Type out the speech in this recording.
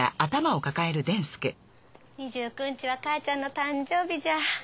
２９日は母ちゃんの誕生日じゃ。